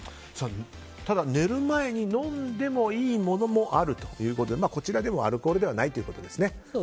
ただ、寝る前に飲んでもいいものもあるということでこちらでもアルコールではないということですね。